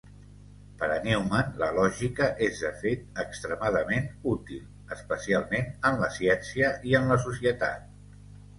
Per a Newman, la lògica és de fet extremadament útil, especialment en la ciència i en la societat.